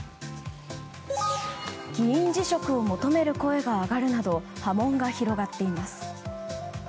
議員辞職を求める声が上がるなど波紋が広がっています。